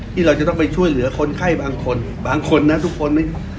ที่เราจะต้องไปช่วยเหลือคนไข้บางคนบางคนนะทุกคนไม่